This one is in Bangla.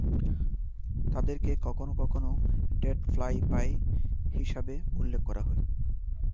তাদেরকে কখনও কখনও "ডেড ফ্লাই পাই" হিসাবে উল্লেখ করা হয়।